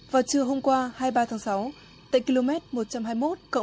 vào trưa hôm qua hai mươi ba tháng sáu tại km một trăm hai mươi một bốn trăm năm mươi quốc lộ hai mươi